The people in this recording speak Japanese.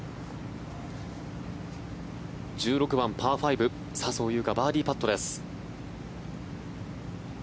１６番、パー５、笹生優花バーディーパットです。